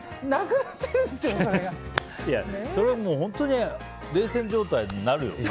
それは本当に冷戦状態になるよ。